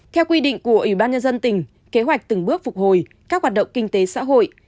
theo quy định của ủy ban nhân dân tỉnh kế hoạch từng bước phục hồi các hoạt động kinh tế xã hội